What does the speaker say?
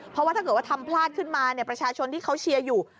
เพราะว่าถ้าเกิดว่าทำพลาดขึ้นมาประชาชนที่เขาเชียร์อยู่